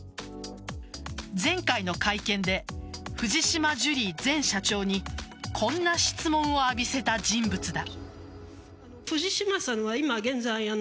前回の会見で藤島ジュリー前社長にこんな質問を浴びせた人物だ。